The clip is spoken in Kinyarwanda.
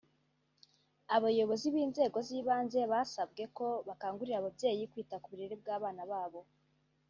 abayobozi b’Inzego z’Ibanze basabwe ko bakangurira ababyeyi kwita ku burere bw’abana babo